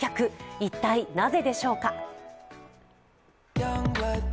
一体なぜでしょうか？